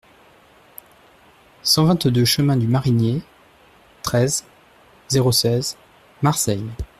cent vingt-deux chemin du Marinier, treize, zéro seize, Marseille